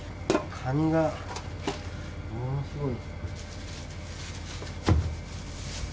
カニが、ものすごい。